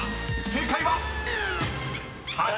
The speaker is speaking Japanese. ［正解は⁉］